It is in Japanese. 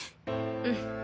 うん。